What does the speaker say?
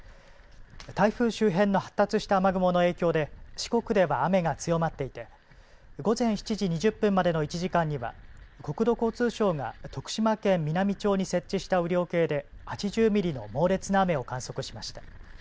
台風周辺の発達した雨雲の影響で四国では雨が強まっていて午前７時２０分までの１時間には国土交通省が徳島県美波町に設置した雨量計で８０ミリの猛烈な雨を観測しました。